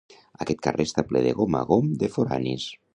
Aquest carrer està ple de gom a gom de foranis.